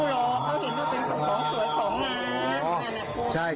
ก็เห็นว่าเป็นของสวยของนาง